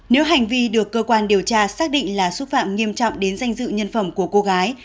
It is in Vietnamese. nếu hành vi được cơ quan điều tra xác định là xúc phạm nghiêm trọng đến danh dự nhân phẩm của cô gái